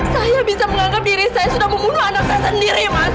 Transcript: saya bisa menganggap diri saya sudah membunuh anak saya sendiri mas